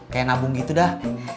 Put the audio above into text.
kayak nabung gitu dah